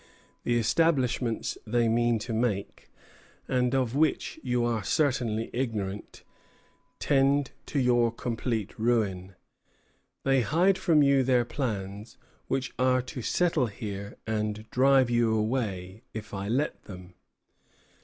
The establishments they mean to make, and of which you are certainly ignorant, tend to your complete ruin. They hide from you their plans, which are to settle here and drive you away, if I let them.